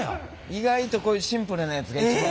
意外とこういうシンプルなやつが一番。